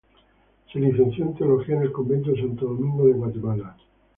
Se licenció en teología en el convento de Santo Domingo de Guatemala.